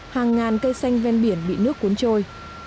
hàng ngàn cây xanh ven biển bị nước cuốn trôi